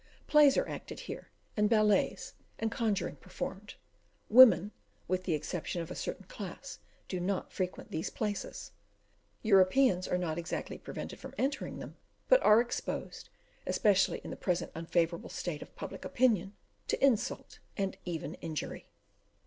Plays are acted here, and ballets and conjuring performed. Women, with the exception of a certain class, do not frequent these places; Europeans are not exactly prevented from entering them, but are exposed, especially in the present unfavourable state of public opinion, to insult and even injury.